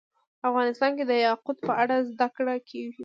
افغانستان کې د یاقوت په اړه زده کړه کېږي.